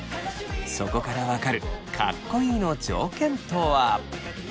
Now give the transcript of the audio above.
そこから分かるかっこいいの条件とは？